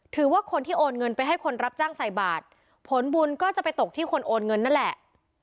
ถือว่าคนที่โอนเงินไปให้คนรับจ้างใส่บาทผลบุญก็จะไปตกที่คนโอนเงินนั่นแหละ